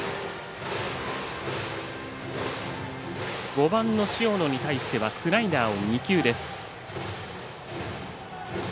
５番の塩野に対してはスライダーを２球です。